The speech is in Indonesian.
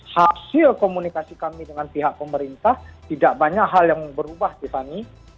hasil komunikasi kami dengan pihak pemerintah tidak banyak hal yang berubah tiffany